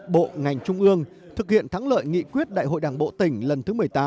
bộ ngành trung ương thực hiện thắng lợi nghị quyết đại hội đảng bộ tỉnh lần thứ một mươi tám